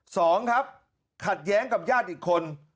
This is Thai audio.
สองครับขัดแย้งกับญาติอีกคน